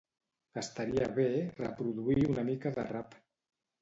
Estaria bé reproduir una mica de rap.